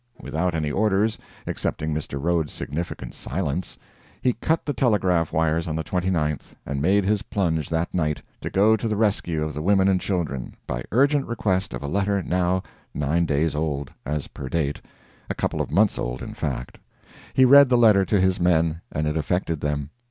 Without any orders excepting Mr. Rhodes's significant silence he cut the telegraph wires on the 29th, and made his plunge that night, to go to the rescue of the women and children, by urgent request of a letter now nine days old as per date, a couple of months old, in fact. He read the letter to his men, and it affected them.